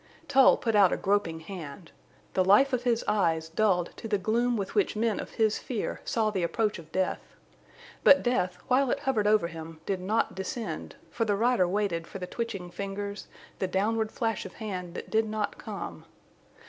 Tull put out a groping hand. The life of his eyes dulled to the gloom with which men of his fear saw the approach of death. But death, while it hovered over him, did not descend, for the rider waited for the twitching fingers, the downward flash of hand that did not come.